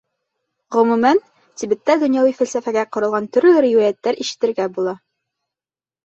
Ғөмүмән, Тибетта донъяуи фәлсәфәгә ҡоролған төрлө риүәйәттәр ишетергә була.